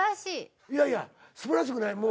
いやいやすばらしくない。